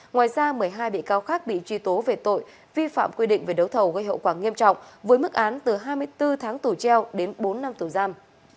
ngoài ra một mươi hai bị cáo khác bị truy tố về tội vi phạm quy định về đấu thầu gây hậu quả nghiêm trọng với mức án từ hai mươi bốn tháng tù treo đến bốn năm tù giam